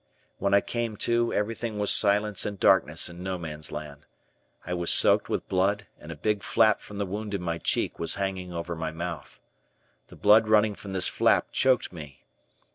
When I came to, everything was silence and darkness in No Man's Land. I was soaked with blood and a big flap from the wound in my cheek was hanging over my mouth. The blood running from this flap choked me.